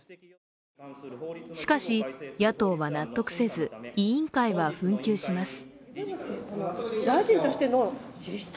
しかし野党は納得せず、委員会は紛糾します。